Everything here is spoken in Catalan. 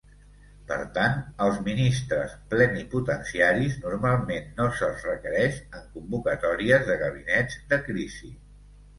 Per tant, els ministres plenipotenciaris normalment no se'ls requereix en convocatòries de gabinets de crisi.